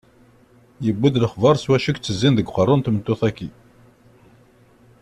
Yewwi-d lexbar s wacu i itezzin deg uqerru n tmeṭṭut-agi.